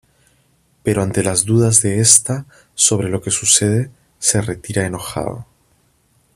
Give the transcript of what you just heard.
Pero ante las dudas de esta sobre lo que le sucede, se retira enojado.